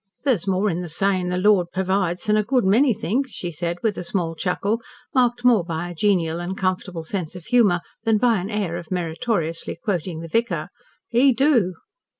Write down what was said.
"There's more in the sayin' 'the Lord pervides' than a good many thinks," she said with a small chuckle, marked more by a genial and comfortable sense of humour than by an air of meritoriously quoting the vicar. "He DO."